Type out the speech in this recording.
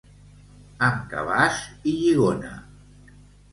Amb cabàs i lligona.